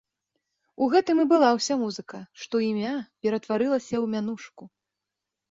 У гэтым і была ўся музыка, што імя ператварылася ў мянушку.